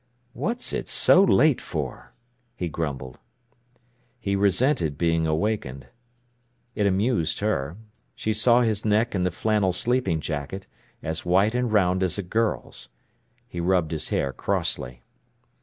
"What's it so late for!" he grumbled. He resented being wakened. It amused her. She saw his neck in the flannel sleeping jacket, as white and round as a girl's. He rubbed his hair crossly.